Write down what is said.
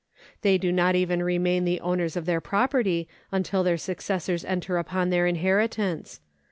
They do not even remain the owners of their property until their successors enter upon their inheritance.